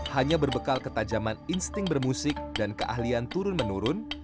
hanya berbekal ketajaman insting bermusik dan keahlian turun menurun